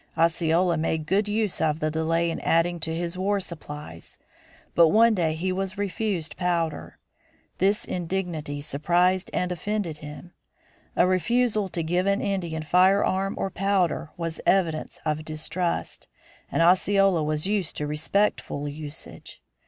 Osceola made good use of the delay in adding to his war supplies; but one day he was refused powder. This indignity surprised and offended him. A refusal to give an Indian firearms or powder was evidence of distrust, and Osceola was used to respectful usage.